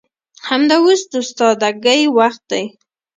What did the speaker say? همدا اوس د استادګۍ وخت دى.